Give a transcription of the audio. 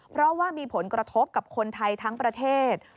เพราะว่ามีผลกระทบกับคนไทยทั้งประเทศ